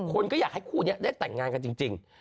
คนก็อยากให้คู่นี้ได้แต่งงานกันจริง